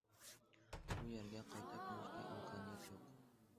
بۇ يەرگە قايتا كېلىشكە ئىمكانىيەت يوق.